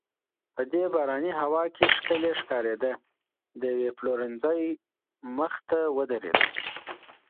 په دې باراني هوا کې ښکلې ښکارېده، د یوې پلورنځۍ مخې ته ودریدو.